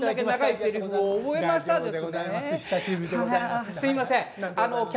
あのすいません